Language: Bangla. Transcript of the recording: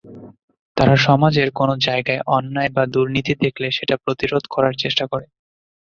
তারা সমাজের কোনো জায়গায় অন্যায়/দূর্নীতি দেখলে সেটা প্রতিরোধ করার চেষ্টা করে।